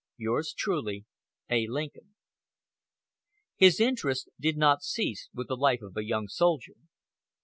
Yours truly, A. Lincoln. His interest did not cease with the life of a young soldier.